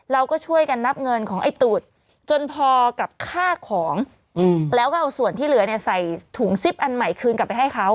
เราก็ช่วยกันนับเงินของไอ้ตูดจนพอกับค่าของแล้วก็เอาส่วนที่เหลือเนี่ยใส่ถุงซิปอันใหม่คืนกลับไปให้เขา